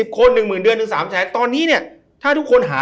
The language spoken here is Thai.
๑๐คน๑๐๐๐๐เดือนนึง๓ชั้น